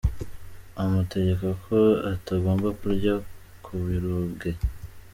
Amutegeka ko atagomba kurya ku birunge.